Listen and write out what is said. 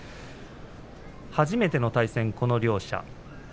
初めての対戦、この両者。